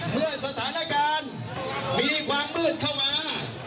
เมื่อสถานการณ์มีความลื่นเข้ามา